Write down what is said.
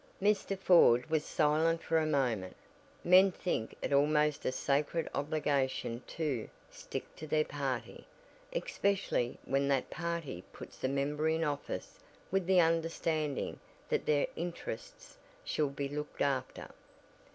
Mr. Ford was silent for a moment. Men think it almost a sacred obligation to "stick to their party," especially when that party puts the member in office with the understanding that their interests shall be looked after.